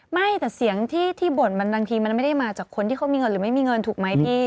ไม่แต่เสียงที่บ่นมันบางทีมันไม่ได้มาจากคนที่เขามีเงินหรือไม่มีเงินถูกไหมพี่